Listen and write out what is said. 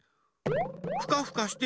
ふかふかしてる？